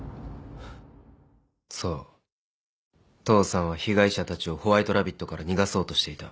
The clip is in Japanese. そう父さんは被害者たちをホワイトラビットから逃がそうとしていた。